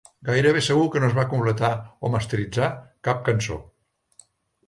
Gairebé segur que no es va completar o masteritzar cap cançó.